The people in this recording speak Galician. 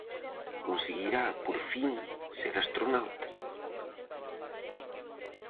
Conseguirá, por fin, ser astronauta?